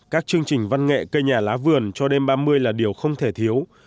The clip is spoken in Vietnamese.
các chương trình văn nghệ cây nhà lá vườn cho đêm ba mươi là điều không thể thiếu